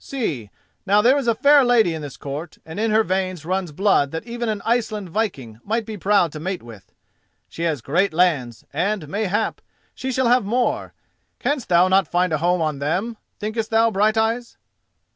See, now, there is a fair lady in this court, and in her veins runs blood that even an Iceland viking might be proud to mate with. She has great lands, and, mayhap, she shall have more. Canst thou not find a home on them, thinkest thou, Brighteyes?"